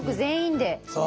そう！